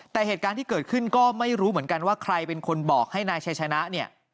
แต่เหตุการณ์ที่เกิดขึ้นก็ไม่รู้เหมือนกันว่าใครเป็นคนบอกให้นายชัยชนะเนี่ย